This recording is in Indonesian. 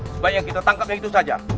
sebaiknya kita tangkap yang itu saja